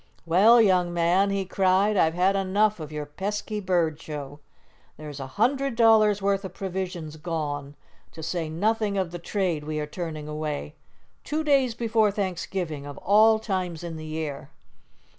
"Well, young man," he cried, "I've had enough of your pesky bird show. There's a hundred dollars' worth of provisions gone, to say nothing of the trade we are turning away. Two days before Thanksgiving, of all times in the year!"